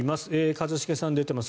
一茂さんが出てます。